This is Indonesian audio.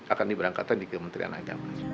akan diberangkatkan di kementerian agama